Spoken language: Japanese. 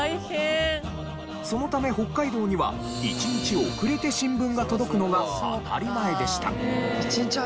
そのため北海道には１日遅れて新聞が届くのが当たり前でした。